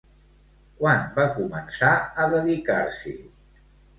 Quan va començar a dedicar-s'hi?